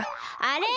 あれ？